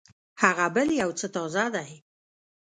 هغه بل يو څه تازه دی.